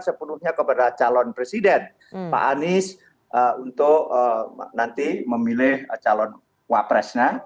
maksudnya kepada calon presiden pak anies untuk nanti memilih calon cawa pressnya